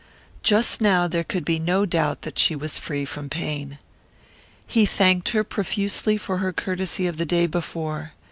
Just now there could be no doubt that she was free from pain. He thanked her profusely for her courtesy of the day before.